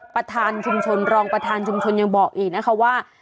ประธานชุมชนรองประธานชุมชนยังบอกอีกนะคะว่า